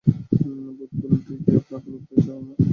বোধবুদ্ধি কি আপনার লোপ পেয়েছে, হল?